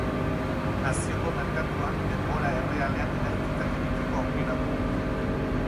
Nazioko Merkatuan denbora errealean eragiketak egiteko aukera dugu.